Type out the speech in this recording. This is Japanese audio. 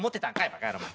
バカ野郎お前。